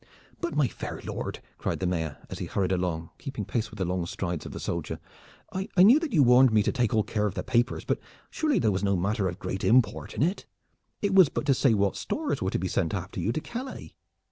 "But, my fair lord," cried the Mayor, as he hurried along, keeping pace with the long strides of the soldier, "I knew that you warned me to take all care of the papers; but surely there was no matter of great import in it? It was but to say what stores were to be sent after you to Calais?"